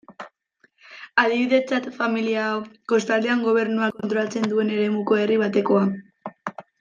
Adibidetzat, familia hau, kostaldean gobernuak kontrolatzen duen eremuko herri batekoa.